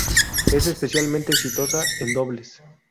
Es especialmente exitosa en dobles.